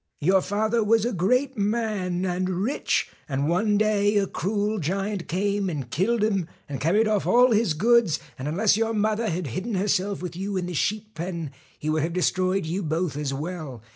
Your father was a great man, and rich, and one day a cruel giant came and killed him and carried off all his goods, and unless your mother had hidden herself with you in the sheep pen, he would have destroyed you both as well.